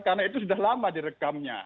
karena itu sudah lama direkamnya